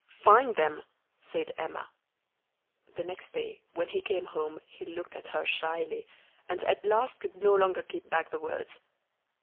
"Find them!" said Emma. The next day when he came home he looked at her shyly, and at last could no longer keep back the words.